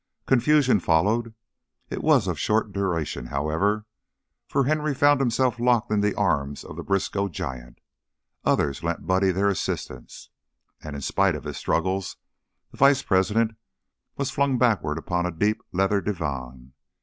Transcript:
Confusion followed. It was of short duration, however, for Henry found himself locked in the arms of the Briskow giant. Others lent Buddy their assistance, and, in spite of his struggles, the vice president was flung backward upon a deep leather divan.